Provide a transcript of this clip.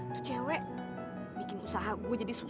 tuh cewek bikin usaha gue jadi susah